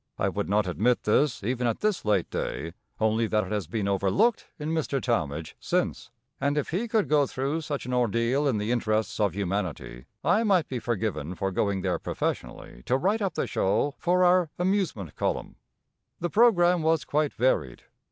I would not admit this, even at this late day, only that it has been overlooked in Mr. Talmage since; and if he could go through such an ordeal in the interests of humanity, I might be forgiven for going there professionally to write up the show for our amusement column. The programme was quite varied.